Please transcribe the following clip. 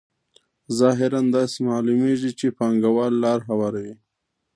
ظاهراً داسې معلومېږي چې پانګوال لار هواروي